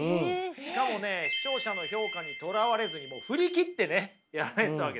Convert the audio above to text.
しかもね視聴者の評価にとらわれずに振り切ってねやられてたわけです。